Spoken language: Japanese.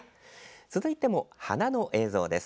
続いても花の映像です。